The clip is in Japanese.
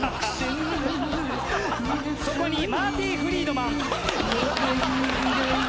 そこにマーティ・フリードマン。